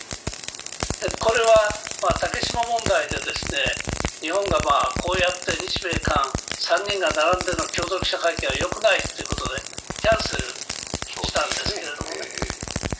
これは竹島問題で、日本がこうやって日米韓３人が並んでの共同記者会見はよくないということでキャンセルしたんですけどね。